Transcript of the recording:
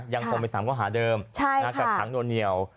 ยังคงไป๓ข้อหาเดิมแล้วกับทางโดเหนี่ยว